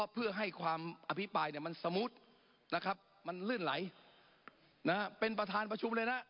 เพื่อให้ความอภิปรายมันสมูทมันลื่นไหลเป็นประธานประชุมเลยนะ